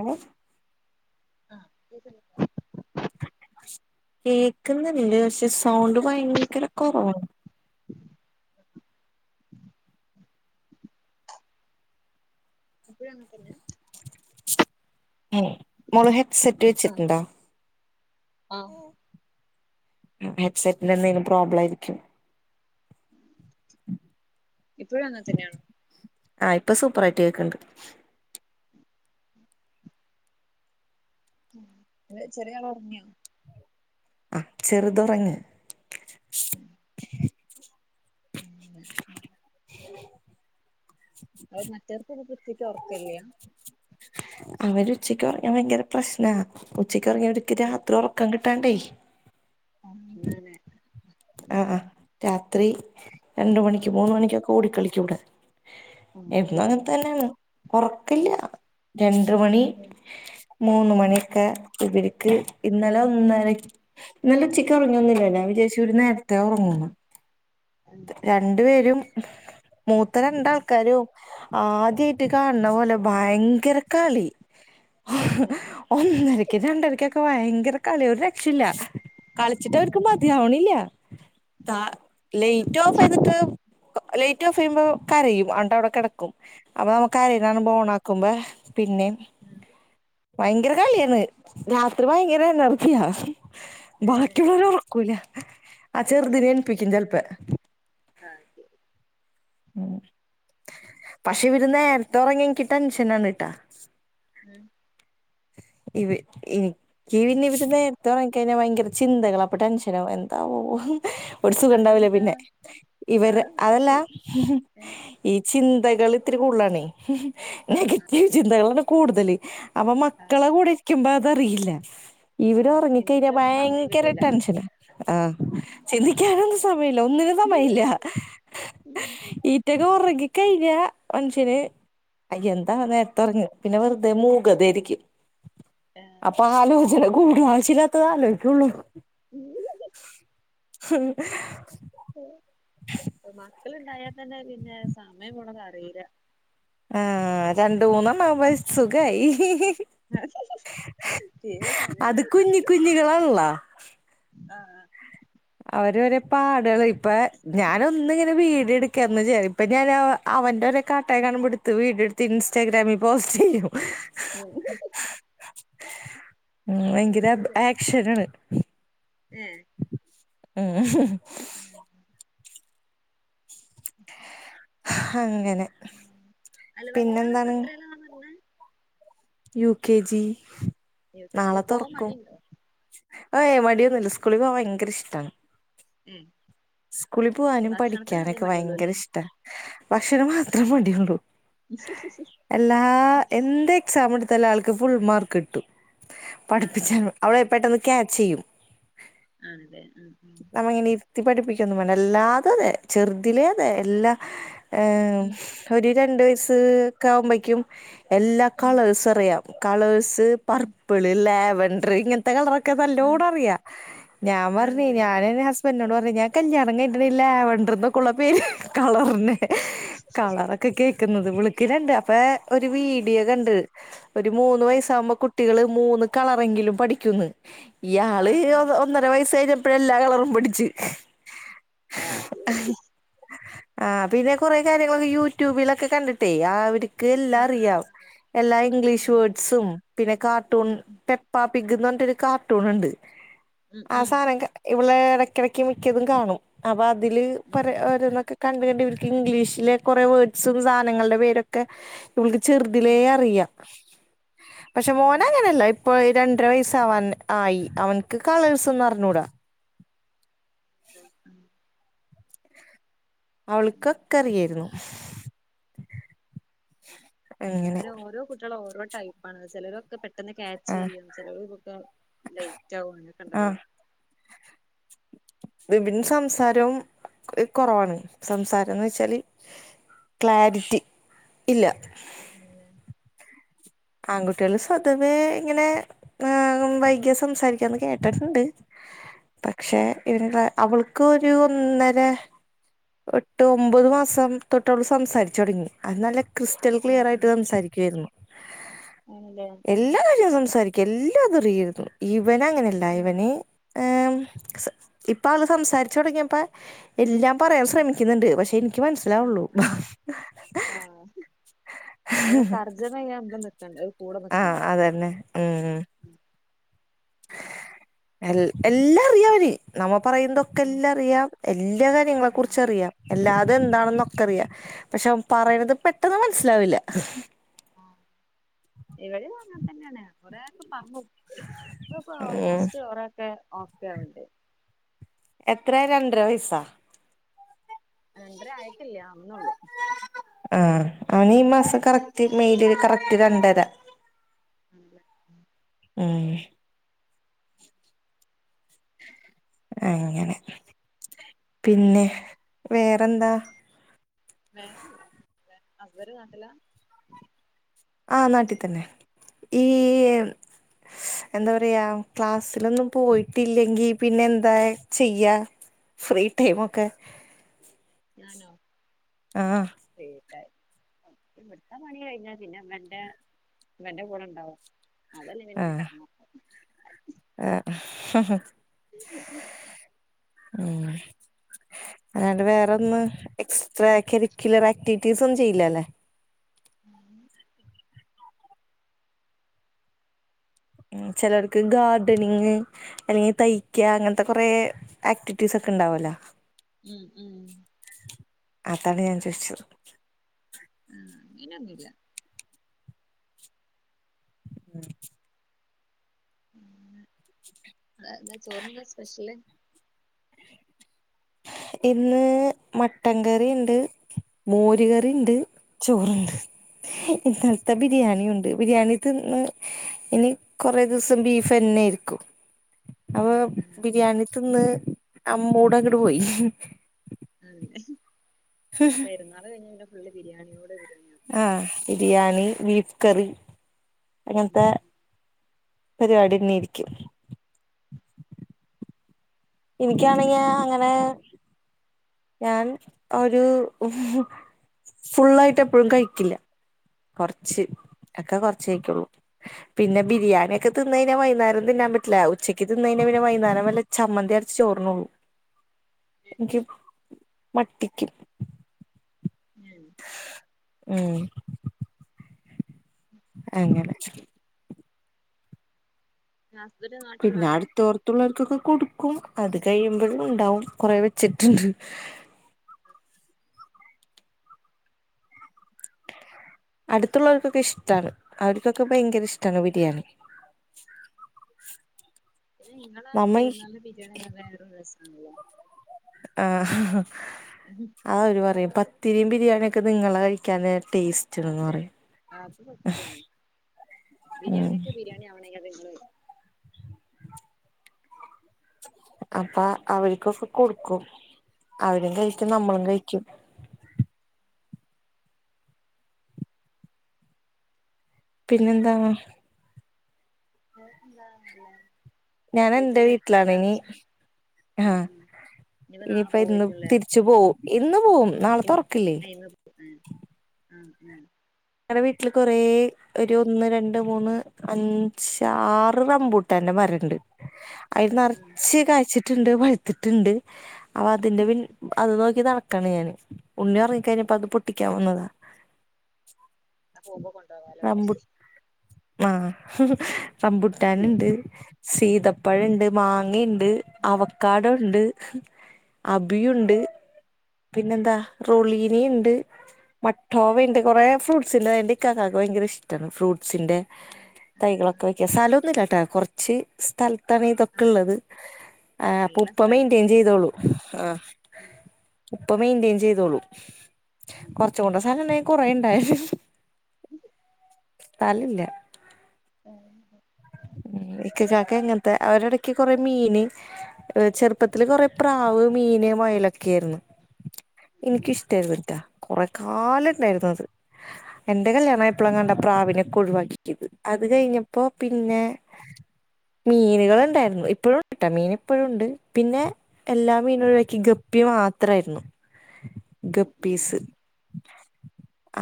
ഏഹ് ആ കേക്കുന്നേ കേക്കുന്നുണ്ട് പക്ഷെ സൗണ്ട് ഭയങ്കര കൊറവാണ്. എപ്പോഴും അങ്ങനെതന്നെ ഉം മോഹൻ സെറ്റ് ആഹ് വെച്ചിട്ട്ണ്ട ആഹ് ഹെഡ്സെറ്റിന്റെ എന്തെങ്കിലും പ്രോബ്ലം ആയിരിക്കും ഇപ്പോഴും അങ്ങനെ തന്നെയാണ് ആഹ് ഇപ്പ സൂപ്പറായിട്ട് കേക്കണ്ട് അത് ചെറിയ ആൾ ഉറങ്ങിയോ ആ ചെറുത് ഉറങ്ങി ഉം [inaudible] അവ് മറ്റ എർക്കൊക്കെ കി [inaudible] ക്കുട്ടിക്ക് ഉറക്കല്ല അവര് ഉച്ചക്ക് ഉറങ്ങിയാൽ ഭയങ്കര പ്രശ്നാ ഉച്ചക് ഉച്ചക്ക് ഉറങ്ങിയാൽ അവർക്ക് ഉം രാത്രി ഉറക്കം കിട്ടും തണ്ടേ അങ്ങനെ ആഅ രാത്രി രണ്ട് മണിക്ക് മൂന്ന് മണിക്കൊക്കെ ഓടിക്കളിക്കുവിടെ ആഹ് എന്നു അടിപൊളി അങ്ങനെത്തന്നെയാണ്. ഒറക്കല്ല ഉം രണ്ട് മണി ഉം മൂന്ന് മണിക്കെ ഇവര്ക്ക് ഇന്നലെ ഒന്നര ഇന്നലെ ഉച്ചക്ക് ഒറങ്ങിയൊന്നുവില്ല ഞാൻ വിചാരിച്ചു ഒരു നേര ത്തെ ഒറങ്ങണോന്ന്. രണ്ടു പേരും മൂത്ത രണ്ടാൾക്കാരും ആദ്യായിട്ട് കാണണ പോലെ ഭയങ്കര കളി ഉം ഒന്നരക്ക് രണ്ടരക്കൊ ക്കെ ഭയങ്കര കളി. ഒരു രക്ഷയില്ല. കളിച്ചിട്ടവർക്ക് ആഹ് മതിയാവണില്ല. താ ലേറ്റ് ഓഫ് ചെയ്തിട്ട്, ലേറ്റ് ഓഫ് ചെയ്യുമ്പോ കരയും അണ്ട അവടെ കെടക്കും. അപ്പൊ നമ്മ കരയ്‌ന്നാണുമ്പൊ ഓണാക്കുമ്പെ പിന്നെ ഉം ഭയങ്കര കളിയാര്ന്ന് രാത്രി ഭയങ്കര എനർജിയാ. ഏഹ് ബാക്കിയുള്ളോരെ ഒറക്കൂല. ആ ചെർദിനേ എൺപ്പിക്കും ചെൽപ്പേ. [unintelligible] ഉം പക്ഷേ ഇവര് നേരത്തെ ഒറങ്ങ്യ ഇൻക്ക് ടെൻഷ് നാണ് ട്ടാ. ഉം ഇവ് ഇനിക്ക് പിന്നിവര് നേരത്തെ ഒറങ്ങിക്കഴിഞ്ഞാ വയങ്കര ചിന്തകളാ അപ്പ ടെൻഷനാവും എന്താവോ ഒരു സുഖണ്ടാവൂല അതെന്താ പിന്നെ ഇവരെ ആഹ് അത് അതല്ല ശരി ആഹ് ഈ ചിൻ ന്തകള് ഇത്തിരി കൂടുലാണേ ആഹ് നെഗറ്റീവ് ചിന്തകളണ് കൂടുതല് അപ്പൊ മക് ആഹ് ക്കളെ കൂടെരിക്കുമ്പോ അതറിയില്ല. ആഹ് ഇവരൊറങ്ങിക്കഴിഞ്ഞാ ചിന്തിക്കാനുള്ള സമയം ഭയങ്കര കിട്ടൂല ടെൻഷനാ ആഹ് ചിന്തിക്കാനൊന്നും സമയല്ല ഒന്നിനും സമയല്ല ഉം ഈറ്റൊക്കെ ഒറങ്ങി [unintelligible] മൻഷ്യന്. അയ് എന്താ നേരത്തൊറങ്ങ്. പിന്നെ വെർതേ മൂകതേരിക്കും ഏഹ് അപ്പൊ ആലോജന കൂടും ആവശ്യല്ലാത്തത് ആലോയ്ക്കൊള്ളു ക്കള്ണ്ടായാതന്നെ പിന്നേ സമയം പോണതറീല ആ അതാൺ ത് ഊന്നാണാവുമ്പഴെ സുഖായി തീരെ സമയം അത് കിട്ടൂല കുഞ്ഞി കുഞ്ഞിക്കളാണ്ലോ ആഹ് അവര് ഓരേ പാടളെ ഇപ്പേ ഞാനൊന്ന്ങ്ങനെ വീഡിയോ എടുക്കേര്ന്നു [unintelligible] ഇപ്പം ഞാനാ അവന്റെ ഒരോ കാട്ടായം കാണുമ്പോ ഇട്ത്ത് വീഡിയോ ഇടുത്ത് ഇൻസ്റ്റാഗ്രാമി പോസ്റ്റെയ്യും ഉം ഭയങ്കര അഭ് അങ്ങനെ ആക്ഷനാണ് ഏഹ് ഉം ഉം ഉം അങ്ങനെ ഉം അല്ല വല്ല്യാള്പ്പം പിന്നെന്താണ് എത്രേലാന്നറ്ഞ്ഞെ U K G U K അല്ല പോവാ മടിണ്ടോ ആഹ് ഏ മടിയൊന്നുല്ല സ്കൂളി പോവാ ഭയങ്കര ഇഷ്ടാണ് ഉം സ്കൂളി പോവാനും പഠിക്ക്യാനൊക്കെ മടിയുള്ളൂ ഭയങ്കര അല്ലേ ഇഷ്ടാ ഭക്ഷണം മാത്രം മടിയുള്ളു എല്ലാ എന്തെക്സാമ്ട് തല ആൾക്ക് ഫുൾ മാർക്കിട്ടും ആണല്ലേ പഠ്പ്പിച്ചാലൊ അവള് ആഹ് പെട്ടന്ന് ക്യാച്ചെയ്യും ആണല്ലേ ആഹ് നമ്മ ഇങ്ങനെ ഇര്ത്തി പഠിപ്പി ഒന്നും വേണ്ട എല്ലാതുഅതെ ചെറ്തിലെ അതെ എല്ലാ ഏമ് ആഹ് ഒര് രണ്ട് വയസ് ഒക്കെ ആവുമ്പോഴേക്കും എല്ലാ ഉം ഉം കളേഴ്സ് അറിയാം കളേഴ്സ് ഉം പർപ്പിൾ ലാ വണ്ടർ ങ്ങന ങ്ങനത്തെ കളറൊക്കെ ഉം നല്ലോണറിയാ ഞാൻ പറഞ്ഞ് ആണല്ലേ ഞാൻ എൻ്റെ ഹസ്ബൻ്റിനോട് ഉം പറഞ്ഞ് ഞാ [unintelligible] ലാവണ്ടർ ന്നൊക്കെ ഉള്ള പേര് കളർ പിന്നെ ഏ കളറൊക്കെ കേക്ക് ക്ക്ന്നത് വിളിക്ക് രണ്ട് ഇപ്പൊ ഒരു വീഡിയോ കണ്ട് ഒരു മൂന്ന് ആഹ് വയസാകുമ്പോ കുട്ടികൾ മൂന്ന് കളറെങ്കിലും പഠിക്കുംന്ന് ഈയാള് ആഹ് ഒ ആഹ് ഒന്നര വയസ്സ് കഴിഞ്ഞപ് ഇപ്പയെല്ലാ റമ്പൊട്ടിച്ച് ആ ജോലി ആ പിന്നെ കാെറേ കാരൃങ്ങളൊക്കെ യൂ ട്യൂബിലൊക്കെ കണ്ടിട്ടേ ആവര് ക്ക് എല്ലാം ആഹ് അറിയാം ആഹ് എല്ലാ ഇംഗ്ലീഷ് ആഹ് വേർഡ്സും, പിന്നെ കാർട്ടൂൺ ഉം ഉം പെപ്പാപ്പിഗ്ഗ്ന്ന് പർഞ് ഒര് കാർട്ടൂണ് ണ്ട് ഉം ആ ഉം സാനങ്ക ഇവളേടെക്കെടയ്‌ക്ക് മി മിക്കതും കാണും അപാ തില് പറ ഉം ഓരാേന്നാെക്ക് കണ്ട്കണ്ട് ഇവര്ക്ക് ഇംഗ്ലീഷിലെ കൊറേ വേർഡ്സും, സാനങ്ങൾടെ പേരൊക്കെ ഇവൾക്ക് ചെറുതിലേ ഉം അറിയാം. പക്ഷേ ആഹ് മോനങ്ങനെയല്ല ഇപ്പൊ രണ്ടര വയസ്സാവാൻ ആയി അവനക്ക് കളേഴ്സ് ഒന്നും അറിഞ്ഞൂടാ. ഉം ഉം അവൾക്കൊക്കെ അറിയായിരുന്നു. അങ്ങനെ അവരോരോ കുട്ടികളും ഓരോ ടൈപ്പാണ് ചിലരൊക്കെ പെട്ട് ട്ടെന്ന് ക്യാച്ച് ആഹ് ചെയ്യും ചിലവരൊക്കെ ലേറ്റാകും അങ്ങനുണ്ടല്ലോ. ആഹ് വിബിൻ സംസാരവും കുറവാണ് സംസാരമെന്ന് വെച്ചാല് ക്ലാരിറ്റി ഇല്ല. അല്ലെ ആൺകുട്ടിയാൾ സതവേ ഇങ്ങനെ ഏഹ് വൈ കിയ സംസാരിക്കാന്ന് കേട്ടിട്ടുണ്ട്. പക്ഷെ ഉം ഇവിടെ ഉം ഉള്ള അവൾക്ക് ഒരു ഒന്നര എട്ട് ഒമ്പത് മാസം തൊട്ട് അവൾ സംസാരിച്ചു തുടങ്ങി അത് നല്ല ക്രിസ്റ്റൽ ഉം ക്ലിയർ ഉം ആയിട്ട് സംസാരിക്കുവായിരുന്നു. ആണല്ലേ ഉം എല്ലാ കാര്യവും സംസാരിക്കും എൽ [unintelligible] ഇവന് അങ്ങനെല്ല ഉം ഇവന് ഹേ ഇപ്പ ആള് സംസാരിച്ച് തോടങ്ങിയപ്പ എല്ലാം പറയാൻ ഉം ശ്രമിക്ക്‌ന്ന്ണ്ട് പക്ഷെ എൻക്ക് ഉം മനസിലാവോള്ളൂ ആഹ് നമ്മള് തർജ്ജമ ചെയ്യാൻ നമ്മള് നിക്കണ്ട ഒരു കൂടെ ആഹ് നിക്കണം അതന്നെ ഉം ഉം [inaudible] എൽ എല്ലാം അറിയാവന് നമു പറയുതൊക്കെ ഉം എല്ലാ അറിയാം എല്ല് എല്ലാ കാര്യങ്ങളെ ഉം കുറിച്ച് അറിയാം അല്ലാതെ എന്താണെന്നൊക്കറിയാ പക്ഷെ അവൻ പറയ്ണത് പെട്ടെന്ന് മൻസ് സ്ലാവില്ല ആഹ് ഇവിടിം അങ്ങൻ തന്നേണ് കൊറേ പറ്ഞ്ഞോക്ക് ഇപ്പൊ ഉം ആൾമോസ്റ്റ് കൊറേക്കെ ഓക്കെ ഉണ്ട്. എത്രെ രണ്ടര വയസാ രണ്ടര ആയിട്ടില്ല ആകുനൊള്ളു. ആഹ് അവൻ ഈ മാസം കറക്റ്റ് മെയില് കറക്റ്റ് രണ്ടരാ. അതെ ഉം ഉം അങ്ങനെ പിന്നെ വേറെന്താ വേറെല്ല ഹസ്ബൻറ് നാട്ടില ആ പ് നാട്ടി തന്നെ ഈ എന്താ പറയാ ക്ലാസ്സിലൊന്നും പോയിട്ടില്ലെങ്കി പിന്നെ എന്താ ചെയ്യാ ഫ്രീ ടൈമൊക്കെ ആനോ. ആഹ്. ഇവിടുത്ത പണി കഴിഞ്ഞ പിന്നെ ഇവന്റെ ഇവന്റെ കൂടെ ഉണ്ടാവും. അതല്ലെ പിന്നെ നീ ആഹ് കിടന്നോ? ആഹ്. ഉം [inaudible] ഉം എങ്ങാണ്ട് വേറൊന്ന് എക്സ് എക്സ്ട്ര കരിക്കുലർ ആക്ടിവിറ്റീസ് ഒന്നും ചെയ്യില്ല അല്ലേ? ഉം [inaudible] ഉം ചിലവർക്ക് ഗാർഡനിങ് അല്ലെങ്കിൽ തയ്ക്ക അങ്ങനത്തെ കൊറേ ആക്ടിവി ഉം ഉം. അതാണ് ഞാൻ ചോദിച്ചത്. ആഹ് പിന്നൊന്നുല്ല. ആഹ്. എന്താ ചോറിനെന്താ സ്പെഷ്യല്? ഇന്ന് മട്ടൻ കറി ഇണ്ട് മോരു കറി ഇണ്ട് ചോറുണ്ട് ഉ [inaudible] ഇന്നലത്തെ ബിരിയാണിയുണ്ട് ബിരിയാണി തിന്ന് ഇനി കുറേ ദിവസം ബീഫ് തന്നെയാരു ക്കും അപ്പം ആഹ് ആഹ് ബിരിയാണിത്തിന്ന് ആ മൂഡ് അങ്ങട് പോയ്‌ ഉ [inaudible] അങ്ങനെ പെരുന്നാള് കഴിഞ്ഞ് പിന്നെ ഞങ്ങള് ബിരിയാണിയോടെ ബിരിയാ ആഹ് ബിരിയാണി ബീഫ് കറി ഉം ഇങ്ങനത്തെ പരിപാടിന്നെ ആരിക്കും എനി ക്കാണെങ്കി അങ്ങനെ ഞാൻ ഒരു ഫുള്ളായി ട്ട് എപ്പോഴും കഴിക്കില്ല ഏ കൊറച്ച് ഒക്കെ കൊറ [unintelligible] കഴിക്കുള്ളൂ പിന്നെ ബിരിയാണി ഒക്കെ തിന്നുകഴിഞ്ഞാ വൈകുന്നേരം തിന്നാൻ പറ്റില്ല ഉച്ചക്ക് തിന്ന് കഴിഞ്ഞാപിന്നെ വൈകുന്നേരം വെല്ല ചമ്മന്തി അരച്ച് ജ [inaudible] മട്ടിക്ക് ഉം ഉം അങ്ങനെ ഹസ്ബന്റ് പിന്നെ നാട്ടിലാണോ അടുത്തോർത്തുള്ളോർക്കൊക്കെ കൊട് ക്കും അത് കഴിയുമ്പഴും ഉണ്ടാവും കൊറെ വെച്ചിട്ട്ണ്ട് അടുത്തുള്ളോർക്കൊക്കെ ഇഷ്ടാണ് അവർക്കൊക്കെ ഭയങ്കര ഇഷ്ട്ടാണ് ബിരിയാണി പി നിങ്ങളാ നമ്മ ഈ പെരുന്നാളിന്റെ ബിരിയാണി നല്ല വേറെ രസാണല്ലോ ആ അഹ് അവര് പറയും പ ത്തിരിയും ബിരിയാണിക്കെ നിങ്ങളായി [unintelligible] അതെ [unintelligible] ഉം അപ്പ അവർക്കൊക്കെ കൊടുക്കും അവരും കഴിക്കും നമ്മളും കഴ് ചു പിന്നെന്താ എ ന്ത ല്ലേ ഞാൻ എന്റെ വീട്ട്ലാണ് ഇനി ആ ആഹ് ആഹ് ഇനിപ്പോ നാളെ ഇനിപ്പ ഇന്ന് പോവേക്കുല്ലേ തിരിച്ച് പോവും ഇന്ന് പോവും നാളെ തൊറക്കില്ലേ ഇന്ന് ആഹ് ആഹ് ങ്ങടെ വീട്ടില് കൊറേ ഒരു ഒന്ന് രണ്ട് മൂന്ന് അഞ്ച് ആറ് റമ്പുട്ടന്റെ മരണ്ട് അയിൽ ആഹ് നെറച്ച് കായ്ച്ചി ട്ടുണ്ട് പഴ്ത്തിട്ടുണ്ട് അ അതിന്റെ പിൻ അത് നോക്കി നടക്ക കണിയാന് ഉണ്ണി ഒറങ്ങിക്കഴിഞ്ഞപ്പോ അത് പൊട്ടിക്കാൻ വന്നതാ ആ പോകുമ്പോ കൊണ്ടോവാലോല്ലേ ആഹ്‌ റംമ്പുട്ടാനിണ്ട് സീതപ്പഴണ്ട് മാങ്ങേ ണ്ട് അവക്കാടോ ണ്ട് അബിയുണ്ട് പിന്നെന്താ റോളീനണ്ട് മട്ടോവണ്ട് കൊറെ ഫ്രൂട്ട്സ് ഉണ്ട് അതിന്റെ ഇന്റെ ഇക്കക്ക് ഭയങ്കര ഇഷ്ടാണ് ഫ്രൂട്ട്സിന്റെ തൈകളൊക്കെ വെക്കാൻ സ്ഥലമൊന്നുംല്ലട്ടാ കൊറെച്ച് സ്ഥല ത്ത ഈ ആഹ് തൊക്കിള്ളത് ആ ഇള്ള ഉപ്പ മെയിന്റ്റയിൻ സ്ഥലത്ത്ല്ലേ ചെയ്തോളും ആ ഉപ്പ മെയിന്റെയിൻ ചെയ്തോളും കൊറച്ചോടെ സാധനണ്ടയി കുറേണ്ടായി ഉം സ്ഥലം ഇല്ല [inaudible] ഉ ഇക്ക കാക്ക ഇങ്ങനത്തെ അവരെടക്ക് കൊറെ മീന് ചെറുപ്പത്തില് കൊറെ പ്രാവ് മീന് മൊയലൊക്കെയായിരുന്ന് ഉം ഉം എനിക്കിഷ്ടായിരുന്ന്ട്ടാ കൊറേ ഉം കാലണ്ടായിരുന്നു അത് എന്റെ കല്ല്യാണായപ്പളാ കണ്ട് പ്രാവിന് ഏ ഒഴിവാക്കീകത് അത് കഴിഞ്ഞപ്പോ പിന്നെ മീനുകളുണ്ടായിരുന്നു ഇപ്പോഴും കേട്ടാ മീൻ ഇപ്പോഴുണ്ട് പിന്നെ എല്ലാ മീനും ഉം ഒഴിവാക്കി ഗപ്പി മാത്ര ത്രായിരുന്നു ഉം ഉം ഗപ്പീസ്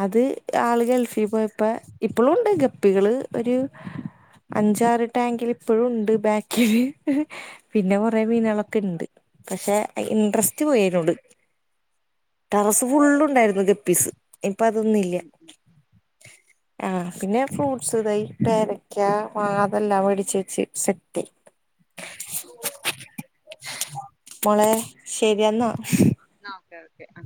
അത് ആള് ഗൾഫീ പോയ ഇപ്പ ഇപ്പളോണ്ട് ഗപ്പികള് ഒരു അഞ്ചാറ് ടാങ്കിൽ ഇപ്പഴും ഇണ്ട് ബാക്കില് പിന്നെ കൊറേ മീനാളൊക്കെ ഇണ്ട് പക്ഷെ ഇൻട്രസ്റ്റ് പോയതിനോട് ടെറസ് ഫുള്ളു- ണ്ടായിരുന്നു ഗപ്പീസ് ഇനി പ അതൊന്നുമില്ല ഉം ആ പിന്നെ ഫ്രൂട്ട്സ് ഇതാ പേരക് ക്ക അതെല്ലാം മേടിച്ച് വെച്ച് സെറ്റ് മോളേ ശരിയെന്നാ ഉം ന്നാ ഓക്കെ ഓക്കെ ആ